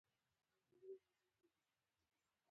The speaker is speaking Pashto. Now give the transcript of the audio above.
د درملو جوړولو فابریکې کمې دي